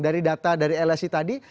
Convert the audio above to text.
dari data dari lsi tadi